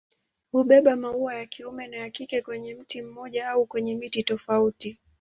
Hubeba maua ya kiume na ya kike kwenye mti mmoja au kwenye miti tofauti.